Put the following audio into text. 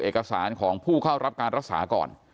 เอกสารของผู้เข้ารับการรักษาก่อน